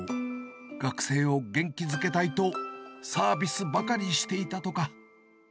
学生を元気づけたいと、サービスばかりしていたとか。